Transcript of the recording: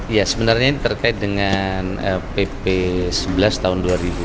ya sebenarnya ini terkait dengan pp sebelas tahun dua ribu dua